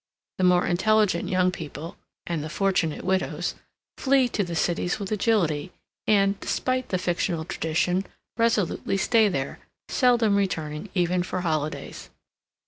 The more intelligent young people (and the fortunate widows!) flee to the cities with agility and, despite the fictional tradition, resolutely stay there, seldom returning even for holidays.